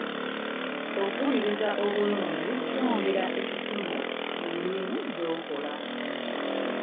Okuwuliriza okulungi kyongera ettutumu mu mirimu gy'okola.